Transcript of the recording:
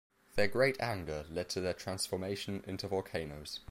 Their great anger led to their transformation into volcanoes.